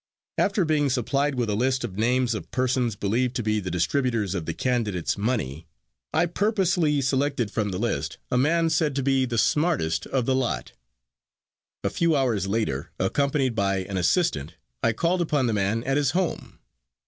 After being supplied with a list of names of persons believed to be the distributors of the candidate's money, I purposely selected from the list a man said to be the smartest of the lot. A few hours later, accompanied by an assistant, I called upon the man at his home.